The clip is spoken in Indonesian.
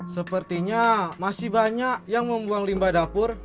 sepertinya masih banyak yang membuang limbah dapur